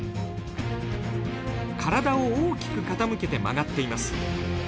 体を大きく傾けて曲がっています。